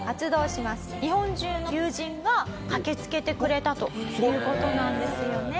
日本中の友人が駆けつけてくれたという事なんですよね。